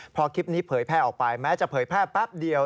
พอคลิปนี้เผยแพร่ออกไปแม้จะเผยแพร่แป๊บเดียว